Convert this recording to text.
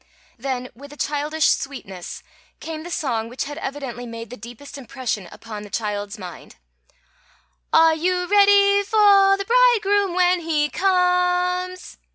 Then, with a childish sweetness, came the song which had evidently made the deepest impression upon the child's mind: "Are you ready for the Bridegroom when he comes?"